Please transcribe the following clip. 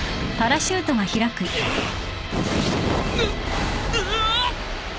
うっうわ！